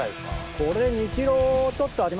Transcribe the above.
これ２ｋｇちょっとありますね。